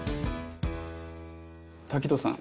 滝藤さん